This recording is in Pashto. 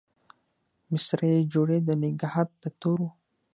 مسرۍ يې جوړې د نګهت د تورو